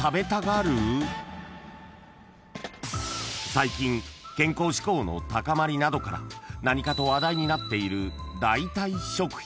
［最近健康志向の高まりなどから何かと話題になっている］